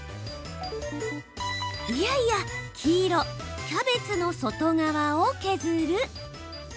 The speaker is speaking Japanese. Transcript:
いやいや黄色・キャベツの外側を削る。